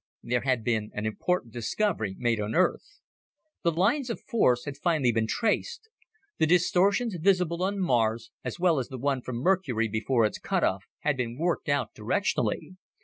There had been an important discovery made on Earth. The lines of force had finally been traced. The distortions visible on Mars, as well as the one from Mercury before its cutoff, had been worked out directionally.